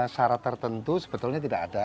syarat tertentu sebetulnya tidak ada